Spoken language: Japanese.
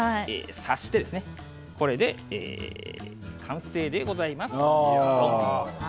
さしてこれで完成でございます。